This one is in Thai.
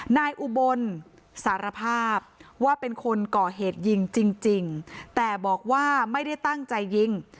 นายอุบลสารภาพว่าเป็นคนก่อเหตุยิงจริงแต่บอกว่าไม่ได้ตั้งใจยิง